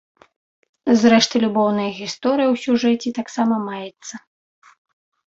Зрэшты, любоўная гісторыя ў сюжэце таксама маецца.